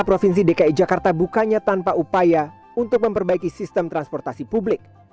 provinsi dki jakarta bukannya tanpa upaya untuk memperbaiki sistem transportasi publik